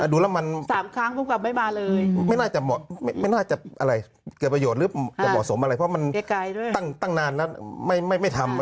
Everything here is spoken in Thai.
ดูแล้วมันไม่น่าจะเกิดประโยชน์หรือหมดสมอะไรเพราะมันตั้งนานแล้วไม่ทำ